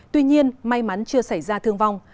tuy nhiên may mắn chưa xảy ra thương vong